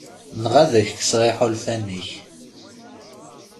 Neɣ ad ak-kkseɣ iḥulfan-ik.